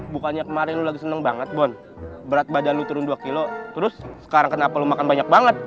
bukannya kemarin lu lagi seneng banget bon berat badan lo turun dua kilo terus sekarang kenapa lo makan banyak banget